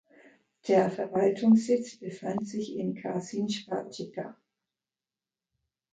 Der Verwaltungssitz befand sich in Kazincbarcika.